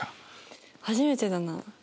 初めてだな。